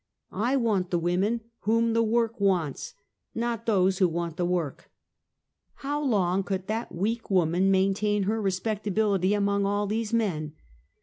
I want the women whom the work wants, not those who want the work. How long could that weak woman maintain her re spectability among all these men